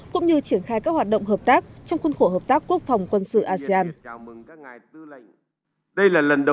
cũng như triển khai các hoạt động hợp tác trong khuôn khổ hợp tác quốc phòng quân sự asean